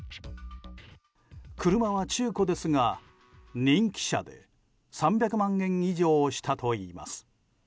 車は中古ですが人気車で３００万円以上したといいます。